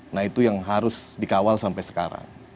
nah itu yang harus dikawal sampai sekarang